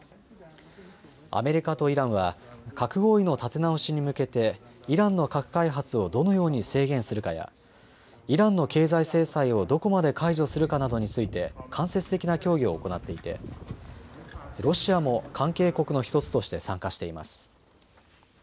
アメリカとイランは核合意の立て直しに向けてイランの核開発をどのように制限するかやイランの経済制裁をどこまで解除するかなどについて間接的な協議を行っていてロシアも関係国の１つとして参加しています。